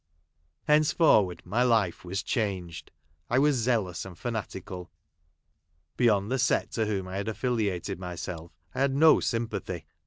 Henceforward, my life Avas changed. I Avns zealous and fanatical. Beyond the set to whom I had affiliated myself I had no sym pathy.